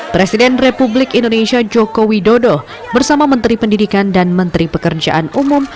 presiden republik indonesia joko widodo bersama menteri pendidikan dan menteri pekerjaan umum